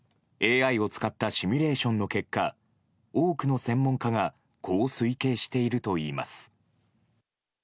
ＡＩを使ったシミュレーションの結果多くの専門家がこう推計しているといいます。